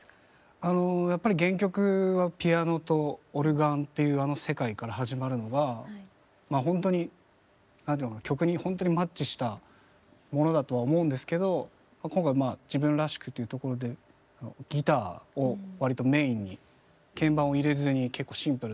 あのやっぱり原曲はピアノとオルガンっていうあの世界から始まるのがまあほんとに曲にほんとにマッチしたものだとは思うんですけど今回まあ自分らしくというところでギターを割とメインに鍵盤を入れずに結構シンプルな編成でやってます。